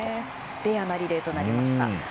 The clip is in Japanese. レアなリレーとなりました。